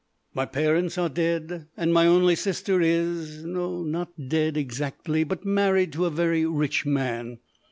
My parents are dead, and my only sister is no, not dead exactly, but married to a very rich man.